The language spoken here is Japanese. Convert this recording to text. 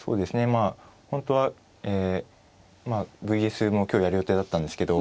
まあ本当はＶＳも今日やる予定だったんですけど。